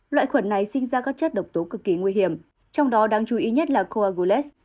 loại khuẩn này sinh ra các chất độc tố cực kỳ nguy hiểm trong đó đáng chú ý nhất là coagolas